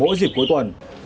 mỗi dịp cuối tuần